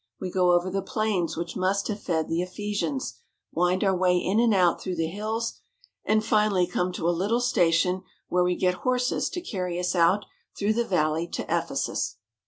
We go over the plains which must have fed the Ephesians, wind our way in and out through the hills, and finally come to a little station where we get horses to carry us out through the valley to Ephesus.